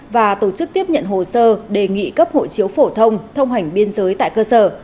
và tổ chức tiếp nhận hồ sơ đề nghị cấp hộ chiếu phổ thông thông hành biên giới tại cơ sở